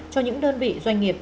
cho những đơn vị doanh nghiệp